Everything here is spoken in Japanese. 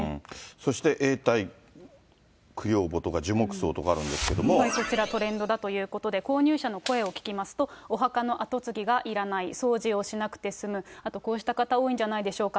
そして永代供養墓とか、こちら、トレンドだということで、購入者の声を聞きますと、お墓の跡継ぎがいらない、掃除をしなくて済む、あとこうした方多いんじゃないでしょうか。